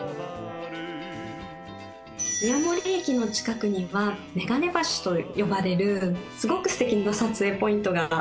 宮守駅の近くにはめがね橋と呼ばれるすごく素敵な撮影ポイントがあります。